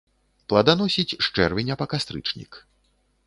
Пладаносіць з чэрвеня па кастрычнік.